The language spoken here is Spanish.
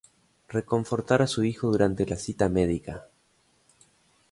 Reconfortar a su hijo durante la cita médica.